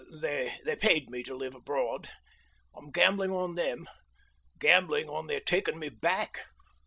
They paid me to live abroad. I'm gambling on them; gambling on their takin' me back.